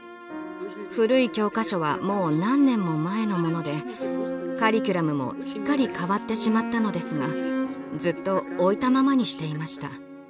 古い教科書はもう何年も前のものでカリキュラムもすっかり変わってしまったのですがずっと置いたままにしていました。